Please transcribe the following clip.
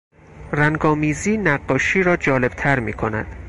رنگآمیزی نقاشی را جالبتر میکند.